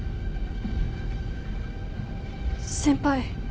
先輩。